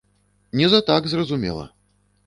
Не за так, зразумела.